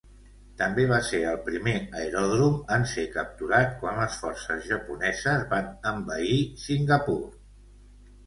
També va ser el primer aeròdrom en ser capturat quan les forces japoneses van invadir Singapur.